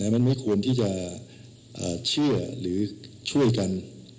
มันไม่ควรที่จะเชื่อหรือช่วยกัน